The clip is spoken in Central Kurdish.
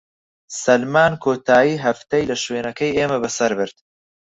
سەلمان کۆتاییی هەفتەی لە شوێنەکەی ئێمە بەسەر برد.